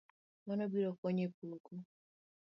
Mano biro konyo e pogo